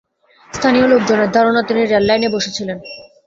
স্থানীয় লোকজনের ধারণা, তিনি রেললাইনে বসে ছিলেন।